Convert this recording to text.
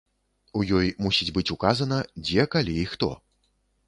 У ёй мусіць быць указана, дзе, калі і хто.